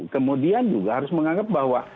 kemudian juga harus menganggap bahwa